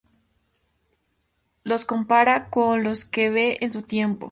Los compara con los que ve en su tiempo.